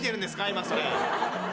今それ。